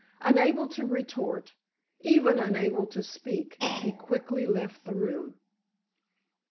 Unable to retort—even unable to speak, he quickly left the room.